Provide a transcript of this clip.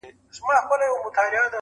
چي تر كلكو كاڼو غاښ يې وي ايستلى!.